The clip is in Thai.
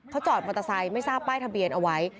เขาจอดมอเตอร์ไซค์ไม่ทราบป้ายทะเบียนเอาไว้